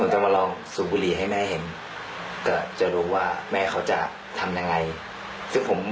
หลายตองทำไรความรักกันก่อน